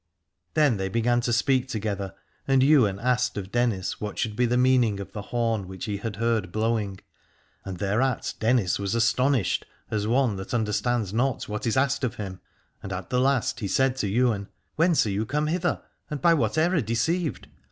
Then they began to speak together, and Ywain asked of Dennis what should be the meaning of the horn which he had heard blowing. And thereat Dennis was astonished, as one that understands not what is asked of him : and at the last he said to Ywain : Whence are you come hither, and by what error deceived